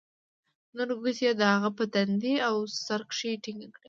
نورې گوتې يې د هغه په تندي او سر کښې ټينگې کړې.